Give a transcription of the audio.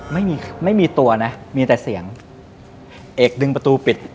ไม่มีไม่มีตัวนะมีแต่เสียงเอกดึงประตูปิด